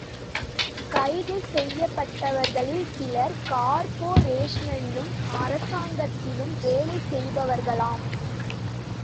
கைது செய்யப்பட்டவர்களில் சிலர் கார்பொரேஷனிலும், அரசாங்கத்திலும் வேலை செய்பவர்களாம்.